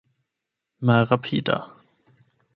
malrapida